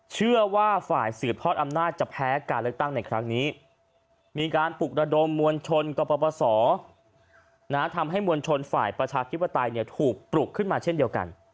เชื่อว่าฝ่ายสื่อทอดอำนาจจะแพ้การเลือกตั้งในครั้งนี้